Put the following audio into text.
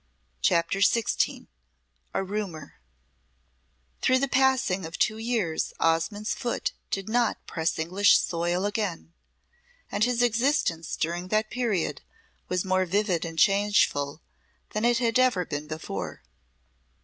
CHAPTER XVI A Rumour Through the passing of two years Osmonde's foot did not press English soil again, and his existence during that period was more vivid and changeful than it had ever been before.